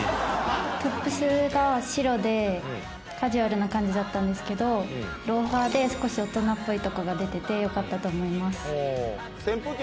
トップスが白でカジュアルな感じだったんですけどローファーで少し大人っぽいとこが出ててよかったと思います。